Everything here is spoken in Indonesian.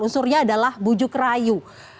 unsurnya adalah bujuk rayu